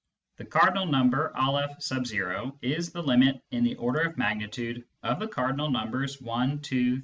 The cardinal number N is the limit (in the order of magnitude) of the cardinal numbers I, 2, 3